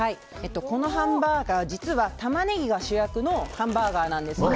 このハンバーガー実はタマネギが主役のハンバーガーなんです。